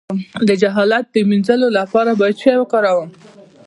د جهالت د مینځلو لپاره باید څه شی وکاروم؟